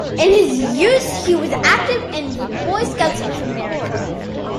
In his youth, he was active in the Boy Scouts of America.